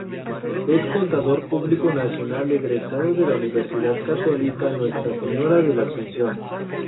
Es Contador Público Nacional egresado de la Universidad Católica Nuestra Señora de la Asunción.